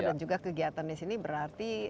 dan juga kegiatan di sini berarti